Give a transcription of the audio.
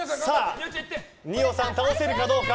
二葉さん、倒せるかどうか。